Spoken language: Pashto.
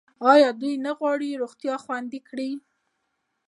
آیا دوی نه غواړي روغتیا خوندي کړي؟